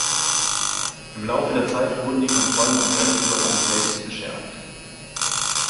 Im Laufe der Zeit wurden die Kontrollen am Grenzübergang selbst verschärft.